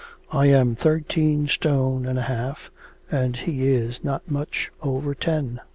I am thirteen stone and a half, and he is not much over ten.'